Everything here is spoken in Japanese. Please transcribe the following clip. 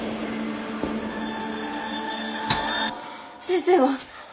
先生は？